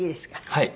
はい。